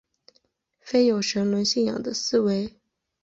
非有神论信仰的思维。